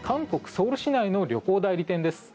ソウル市内の旅行代理店です。